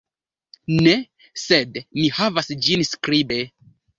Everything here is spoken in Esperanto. Ne, sed mi havas ĝin skribe.